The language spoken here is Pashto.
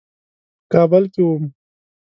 په کابل کې وم.